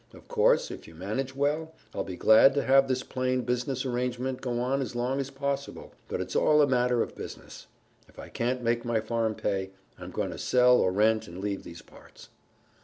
Of course, if you manage well, I'll be glad to have this plain business arrangement go on as long as possible, but it's all a matter of business. If I can't make my farm pay, I'm going to sell or rent and leave these parts."